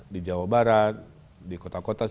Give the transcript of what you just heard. di jawa barat di kota kota